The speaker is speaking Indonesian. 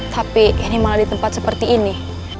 tapi ini malah di tempat seperti ini